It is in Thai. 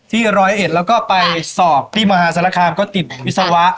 ที่ร้อยเอฐแล้วก็มีส่องที่มหาศาลคามก็ติดวิศาวะ